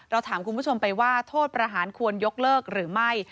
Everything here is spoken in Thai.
ถามคุณผู้ชมไปว่าโทษประหารควรยกเลิกหรือไม่